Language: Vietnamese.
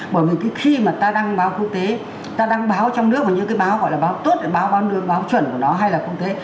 bởi vì cái khi mà ta đăng báo quốc tế ta đăng báo trong nước có những cái báo gọi là báo tốt báo nước báo chuẩn của nó hay là quốc tế